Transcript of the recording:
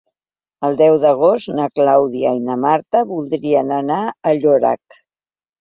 El deu d'agost na Clàudia i na Marta voldrien anar a Llorac.